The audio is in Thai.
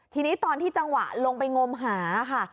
ทีนี้ตอนที่จังหวะลงไปงมหาค่ะ